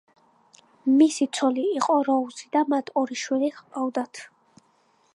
მის ცოლი იყო როუზი და მათ ორი შვილი ჰყავდათ.